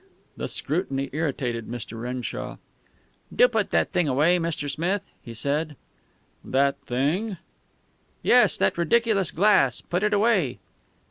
The scrutiny irritated Mr. Renshaw. "Do put that thing away, Mr. Smith," he said. "That thing?" "Yes, that ridiculous glass. Put it away."